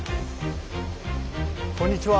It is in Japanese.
こんにちは。